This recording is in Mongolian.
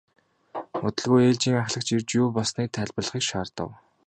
Удалгүй ээлжийн ахлагч ирж юу болсныг тайлбарлахыг шаардав.